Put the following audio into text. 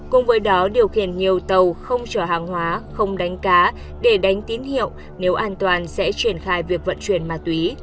cùng với đó điều khiển nhiều tàu không chở hàng hóa không đánh cá để đánh tín hiệu nếu an toàn sẽ triển khai việc vận chuyển ma túy